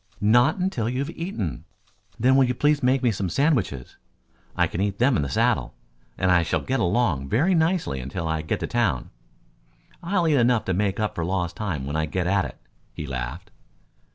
"Not until you have eaten." "Then, will you please make me some sandwiches? I can eat them in the saddle, and I shall get along very nicely until I get to town. I'll eat enough to make up for lost time when I get at it," he laughed.